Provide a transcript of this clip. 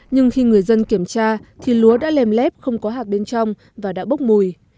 nhưng khi người dân kiểm tra thì lúa đã lèm lép không có hạt bên trong và đã bốc mùi